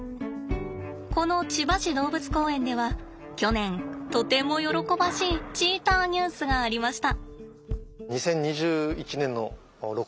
この千葉市動物公園では去年とても喜ばしいチーターニュースがありました。